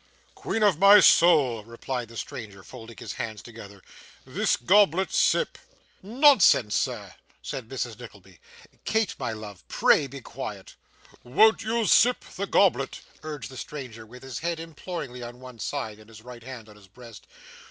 'Queen of my soul,' replied the stranger, folding his hands together, 'this goblet sip!' 'Nonsense, sir,' said Mrs. Nickleby. 'Kate, my love, pray be quiet.' 'Won't you sip the goblet?' urged the stranger, with his head imploringly on one side, and his right hand on his breast.